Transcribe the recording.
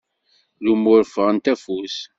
Lumuṛ ffɣent afus.